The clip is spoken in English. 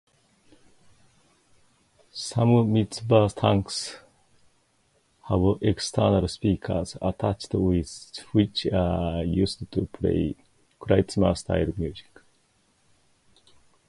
Some Mitzvah Tanks have external speakers attached which are used to play klezmer-style music.